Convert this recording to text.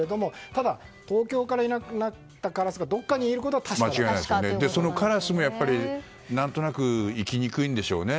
ただ、東京からいなくなったカラスがどこかにいることはそのカラスもやっぱり何となく生きにくいんでしょうね。